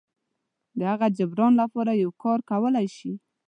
د هغه جبران لپاره یو کار کولی شي.